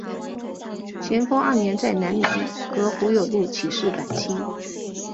咸丰二年在南宁和胡有禄起事反清。